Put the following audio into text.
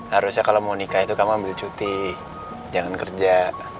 harusnya kalau mau nikah itu kamu ambil cuti jangan kerja